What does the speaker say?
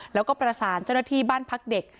แล้วก็ประสานเจ้าหน้าที่บ้านพักเด็ก